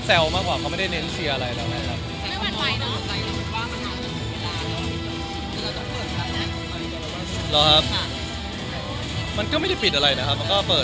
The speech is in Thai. แล้วถ้าวันหนึ่งเขาพร้อมที่จะเปิดใจอะไรอย่างนี้